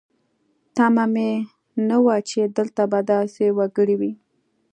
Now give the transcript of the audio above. تمه مې نه وه چې دلته به داسې وګړي وي.